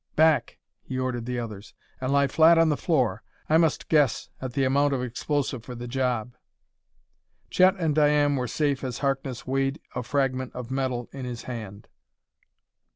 "Back!" he ordered the others, "and lie flat on the floor. I must guess at the amount of explosive for the job." Chet and Diane were safe as Harkness weighed a fragment of metal in his hand.